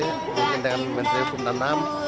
mungkin dengan menteri hukum dan ham